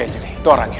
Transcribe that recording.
iya itu orangnya